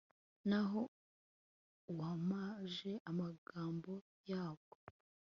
naho uwamamaje amagambo yabwo